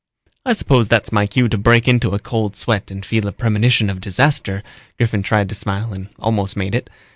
"I suppose that's my cue to break into a cold sweat and feel a premonition of disaster." Griffin tried to smile and almost made it.